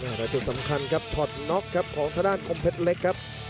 แต่จุดสำคัญครับถอดน็อกครับของทางด้านคมเพชรเล็กครับ